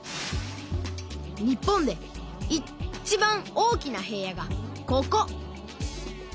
日本でいちばん大きな平野がここ。